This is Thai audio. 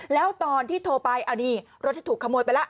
แล้วตอนที่โทรไปเอานี่รถที่ถูกขโมยไปแล้ว